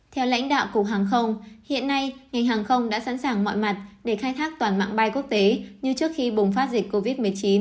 theo lãnh đạo cục hàng không hiện nay ngành hàng không đã sẵn sàng mọi mặt để khai thác toàn mạng bay quốc tế như trước khi bùng phát dịch covid một mươi chín